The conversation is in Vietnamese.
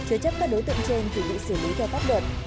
chế chấp các đối tượng trên thì bị xử lý theo pháp luật